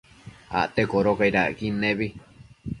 Acte codocaid acquid nebi